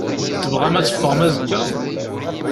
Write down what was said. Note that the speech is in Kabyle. Tebɣam ad teffɣem azekka?